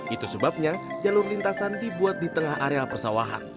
itu sebabnya jalur lintasan dibuat di tengah areal persawahan